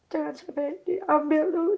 jangan sampai diambil dulu